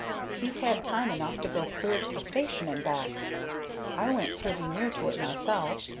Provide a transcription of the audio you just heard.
"He's had time enough to go clear to the station and back. I went pretty near to it myself.